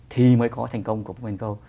thì mới có thành công của pokemon go